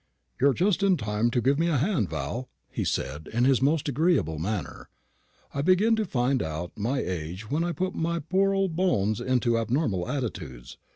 "You're just in time to give me a hand, Val," he said in his most agreeable manner. "I begin to find out my age when I put my poor old bones into abnormal attitudes.